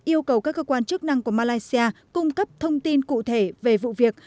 yêu cầu các cơ quan chức năng của malaysia cung cấp thông tin cụ thể về vụ việc